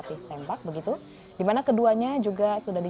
jimmy bisa mendengar kami